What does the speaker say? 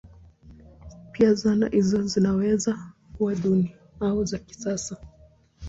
Pia zana hizo zinaweza kuwa duni au za kisasa.